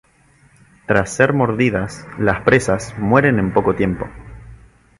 Tras ser mordidas, las presas mueren en poco tiempo.